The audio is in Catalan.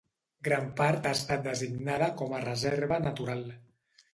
Gran part ha estat designada com una reserva natural.